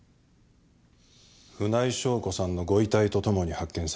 船井翔子さんのご遺体とともに発見された。